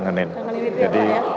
kangenin itu ya pak ya